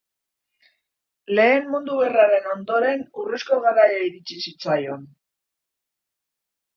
Lehen Mundu Gerraren ondoren urrezko garaia iritsi zitzaion.